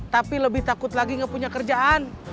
tapi lebih takut lagi nggak punya kerjaan